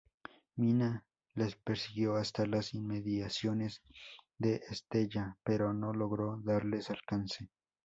Mina les persiguió hasta las inmediaciones de Estella pero no logró darles alcance.